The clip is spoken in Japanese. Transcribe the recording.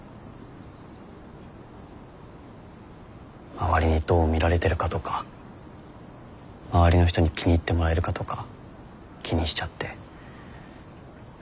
周りにどう見られてるかとか周りの人に気に入ってもらえるかとか気にしちゃって。